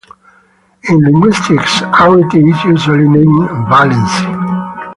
In linguistics, arity is usually named "valency".